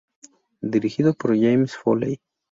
Dirigido por James Foley.